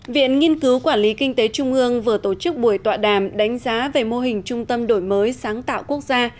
viện nghiên cứu quản lý kinh tế trung ương vừa tổ chức buổi tọa đàm đánh giá về mô hình trung tâm đổi mới sáng tạo quốc gia